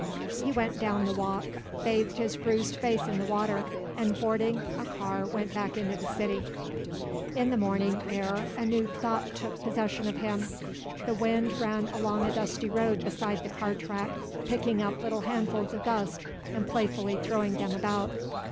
He went down the walk, bathed his bruised face in the water, and boarding a car went back into the city. In the morning air a new thought took possession of him. The wind ran along a dusty road beside the car track, picking up little handfuls of dust and playfully throwing them about.